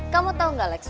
kamu tahu gak alex